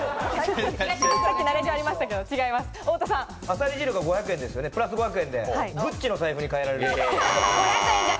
アサリ汁が５００円ですよね、プラス５００円でグッチの財布に変えられる。